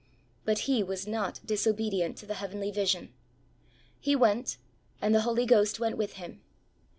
But he was not disobedient to the heavenly \asion.^^ He went and the Holy Ghost went with him.